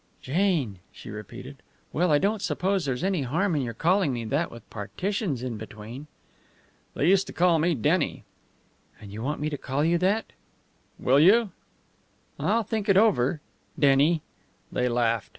"Jane!" she repeated. "Well, I don't suppose there's any harm in your calling me that, with partitions in between." "They used to call me Denny." "And you want me to call you that?" "Will you?" "I'll think it over Denny!" They laughed.